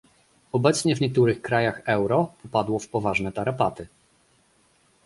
Obecnie w niektórych krajach euro popadło w poważne tarapaty